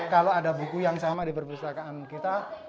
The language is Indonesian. kalau ada buku yang sama di perpustakaan kita